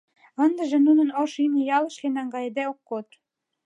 Ындыже нуным ош имне ялышке наҥгайыде ок код...